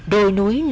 đồi núi nối với đường